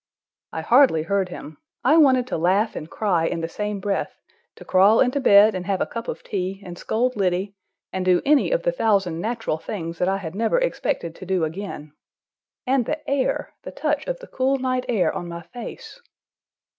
I hardly heard him. I wanted to laugh and cry in the same breath—to crawl into bed and have a cup of tea, and scold Liddy, and do any of the thousand natural things that I had never expected to do again. And the air! The touch of the cool night air on my face!